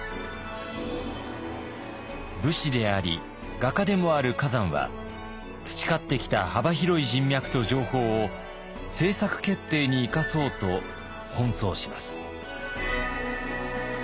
武士であり画家でもある崋山は培ってきた幅広い人脈と情報を政策決定に生かそうと奔走します。